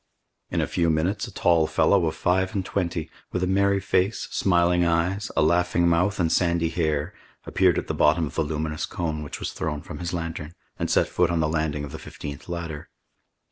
In a few minutes, a tall fellow of five and twenty, with a merry face, smiling eyes, a laughing mouth, and sandy hair, appeared at the bottom of the luminous cone which was thrown from his lantern, and set foot on the landing of the fifteenth ladder.